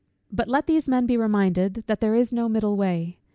But let these men be reminded, that there is no middle way.